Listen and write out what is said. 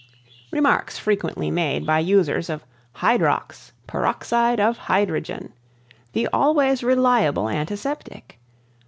Remarks Frequently made by users of Hydrox PEROXIDE OF HYDROGEN. The Always Reliable Antiseptic.